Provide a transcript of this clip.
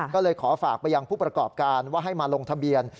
ก็เลยขอฝากไปยังผู้ประกอบการว่าให้มาลงทะเบียน